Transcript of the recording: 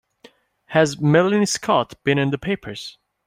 Has Melanie Scott been in the papers?